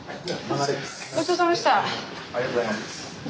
ありがとうございます。